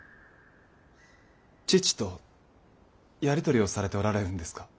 父とやり取りをされておられるんですか？